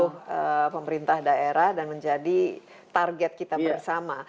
ya ke seluruh pemerintah daerah dan menjadi target kita bersama